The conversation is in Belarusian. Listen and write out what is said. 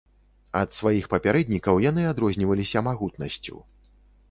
Ад сваіх папярэднікаў яны адрозніваліся магутнасцю.